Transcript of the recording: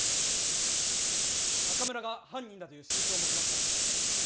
中村が犯人だという心証を持ちました。